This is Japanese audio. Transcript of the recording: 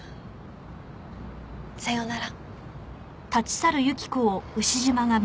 さようなら。